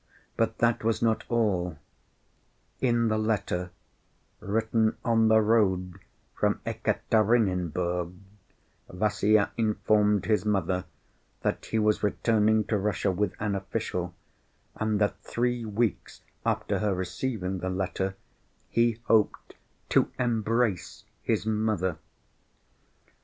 But that was not all; in the letter written on the road from Ekaterinenburg, Vassya informed his mother that he was returning to Russia with an official, and that three weeks after her receiving the letter he hoped "to embrace his mother."